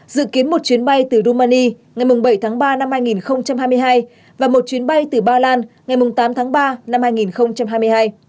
dự kiến một chuyến bay từ romani ngày bảy tháng ba năm hai nghìn hai mươi hai và một chuyến bay từ ba lan ngày tám tháng ba năm hai nghìn hai mươi hai